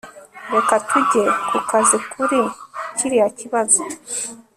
reka tujye ku kazi kuri kiriya kibazo